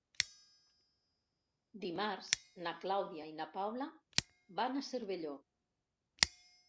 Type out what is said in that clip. Dimarts na Clàudia i na Paula van a Cervelló.